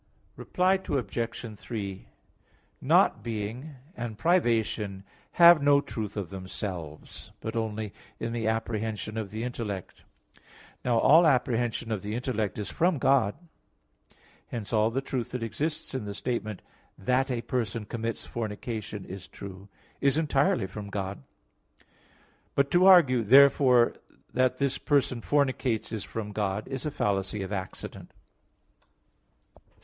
Reply Obj. 3: Not being and privation have no truth of themselves, but only in the apprehension of the intellect. Now all apprehension of the intellect is from God. Hence all the truth that exists in the statement "that a person commits fornication is true" is entirely from God. But to argue, "Therefore that this person fornicates is from God", is a fallacy of Accident.